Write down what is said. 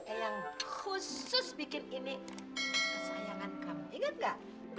eyang khusus bikin ini kesayangan kamu inget gak